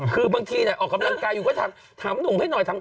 คือบางทีออกกำลังกายอยู่ก็ถามหนุ่มให้หน่อย